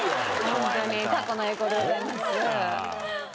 ホントに過去の栄光でございます。